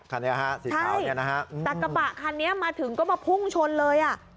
คันนี้ฮะสีขาวเนี่ยนะฮะแต่กระบะคันนี้มาถึงก็มาพุ่งชนเลยอ่ะ